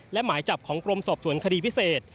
และหมายจับของกรมสอบสวนคดีพิเศษ